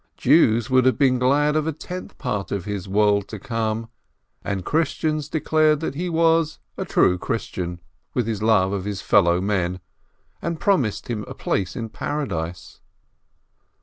Jews would have been glad of a tenth part of his world to come, and Christians declared that he was a true Christian, with his love for his fellow men, and promised him a place in Paradise.